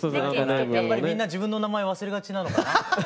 やっぱりみんな自分の名前忘れがちなのかな？